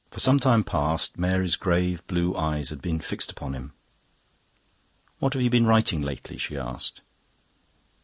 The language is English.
For some time past Mary's grave blue eyes had been fixed upon him. "What have you been writing lately?" she asked.